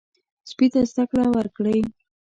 سپي ته زده کړه ورکړئ.